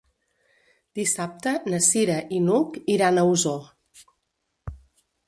Dissabte na Cira i n'Hug iran a Osor.